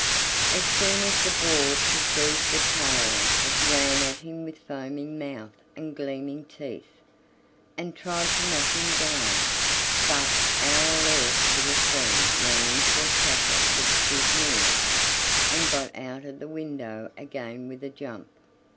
As soon as the boar perceived the tailor it ran at him with foaming mouth and gleaming teeth, and tried to knock him down; but our alert little friend ran into a chapel that stood near, and got out of the window again with a jump.